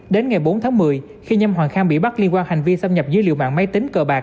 đến ngày bốn tháng một mươi khi nhâm hoàng khang bị bắt liên quan hành vi xâm nhập dữ liệu mạng máy tính cờ bạc